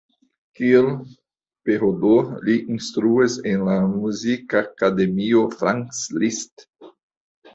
Kiel PhD li instruas en la Muzikakademio Franz Liszt.